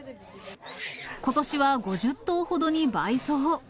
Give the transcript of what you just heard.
ことしは５０頭ほどに倍増。